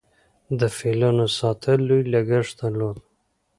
د فیلانو ساتل لوی لګښت درلود